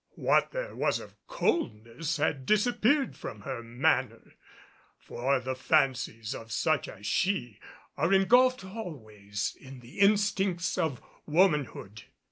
What there was of coldness had disappeared from her manner; for the fancies of such as she are engulfed always in the instincts of womanhood.